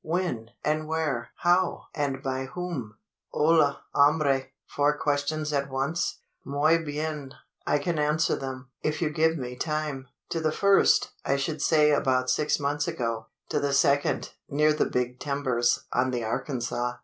"When, and where? How, and by whom?" "Hola! hombre four questions at once! Muy bien! I can answer them, if you give me time. To the first, I should say about six months ago. To the second, near the Big Timbers, on the Arkansas.